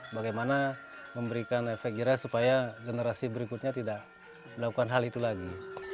bagaimana memberikan efek kira supaya generasi berikutnya tidak melakukan hal itu lagi